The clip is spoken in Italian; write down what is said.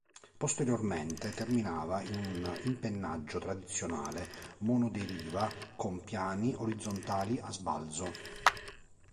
Posteriormente terminava in un impennaggio tradizionale monoderiva con piani orizzontali a sbalzo.